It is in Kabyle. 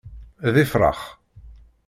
D ifṛax.